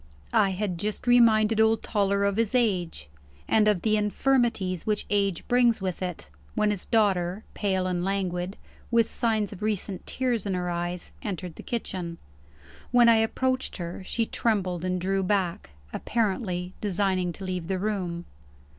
I had just reminded old Toller of his age, and of the infirmities which age brings with it, when his daughter pale and languid, with signs of recent tears in her eyes entered the kitchen. When I approached her, she trembled and drew back; apparently designing to leave the room.